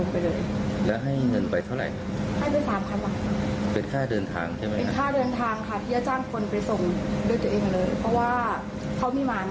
เพราะอะไรเขาขึ้นรถโดยสารไม่ได้อยู่แล้วค่ะ